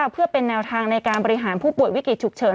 เพื่อเป็นแนวทางในการบริหารผู้ป่วยวิกฤตฉุกเฉิน